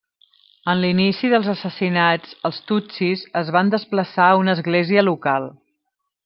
En l'inici dels assassinats els tutsis es van desplaçar a una església local.